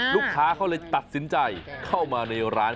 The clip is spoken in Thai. ลูกค้าเขาเลยตัดสินใจเข้ามาในร้าน